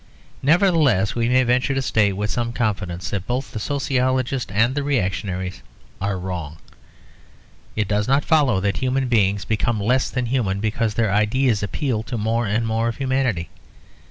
Nevertheless we may venture to state with some confidence that both the sociologists and the reactionaries are wrong. It does not follow that human beings become less than human because their ideas appeal to more and more of humanity.